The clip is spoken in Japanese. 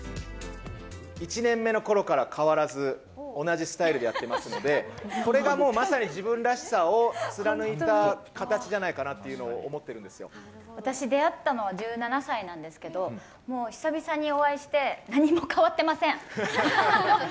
１年目のころから変わらず、同じスタイルでやってますので、これがもうまさに自分らしさを貫いた形じゃないかなっていうのを私、出会ったのは１７歳なんですけど、もう久々にお会いして、何も変わってません。